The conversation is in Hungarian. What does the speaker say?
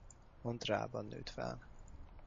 Montréalban nőtt fel.